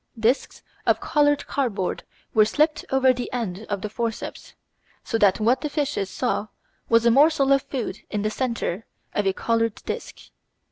Discs of coloured cardboard were slipped over the end of the forceps, so that what the fishes saw was a morsel of food in the centre of a coloured disc.